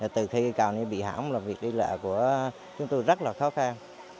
từ khi cầu này bị hỏng là việc đi lại của chúng tôi rất là khó khăn